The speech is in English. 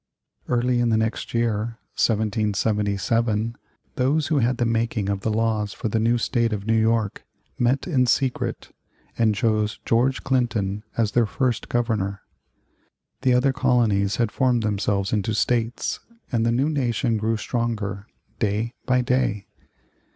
Early in the next year, 1777, those who had the making of the laws for the new State of New York, met in secret, and chose George Clinton as their first Governor. The other colonies had formed themselves into States, and the new nation grew stronger day by day.